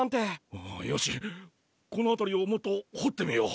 よしこの辺りをもっと掘ってみよう。